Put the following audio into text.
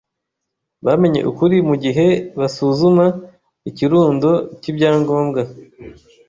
Bamenye ukuri mugihe basuzuma ikirundo cyibyangombwa.